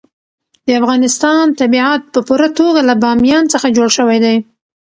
د افغانستان طبیعت په پوره توګه له بامیان څخه جوړ شوی دی.